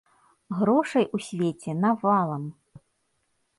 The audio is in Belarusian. Грошай у свеце навалам!